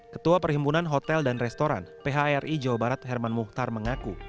ketua perhimpunan hotel dan restoran phri jawa barat herman muhtar mengaku